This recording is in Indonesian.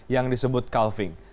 yang disebut calving